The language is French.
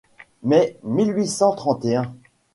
Mai mille huit cent trente et un.